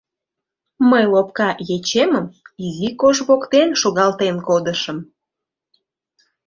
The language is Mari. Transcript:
Мый лопка ечемым изи кож воктен шогалтен кодышым.